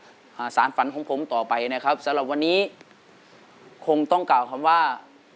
สารฝันของผมต่อไปนะครับสำหรับวันนี้คงต้องกล่าวคำว่า